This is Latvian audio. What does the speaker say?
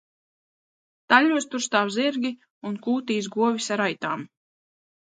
Staļļos tur stāv zirgi un kūtīs govis ar aitām.